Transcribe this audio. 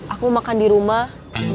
aku makan di rumah